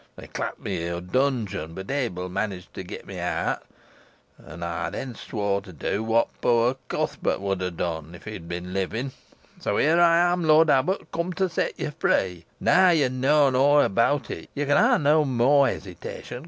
They clapt meh i' a dungeon, boh Ebil monaged to get me out, an' ey then swore to do whot poor Cuthbert would ha' done, if he'd been livin' so here ey am, lort abbut, cum to set yo free. An' neaw yo knoan aw abowt it, yo con ha nah more hesitation.